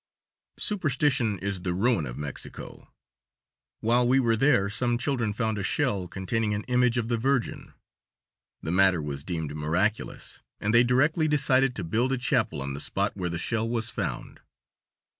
Superstition is the ruin of Mexico. While we were there some children found a shell containing an image of the Virgin. The matter was deemed miraculous, and they directly decided to build a chapel on the spot where the shell was found.